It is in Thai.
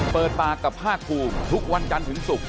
เปิดปากกับภาคภูมิทุกวันจันทร์ถึงศุกร์